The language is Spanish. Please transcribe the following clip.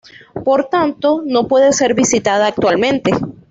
Por tanto no puede ser visitada actualmente.